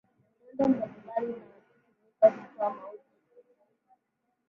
miundo mbalimbali inatumika kutoa maudhi kwenye redio